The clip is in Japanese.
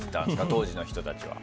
当時の人たちは。